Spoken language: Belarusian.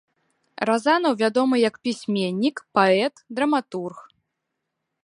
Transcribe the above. Разанаў вядомы як пісьменнік, паэт, драматург.